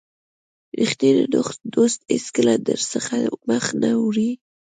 رښتینی دوست هیڅکله درڅخه مخ نه اړوي.